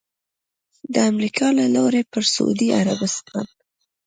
د امریکا له لوري پر سعودي عربستان